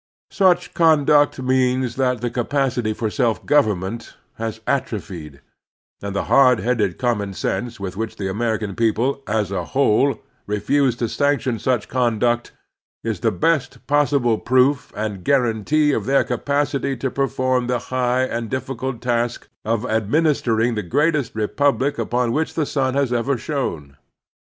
Such conduct means that the capacity for self government has atrophied; and the hard headed common sense with which the American people, as a whole, refuse to sanction such conduct is the best possible proof and guarantee of their capacity to perform the high and difficult task of administering the greatest republic upon which the sun has ever shone.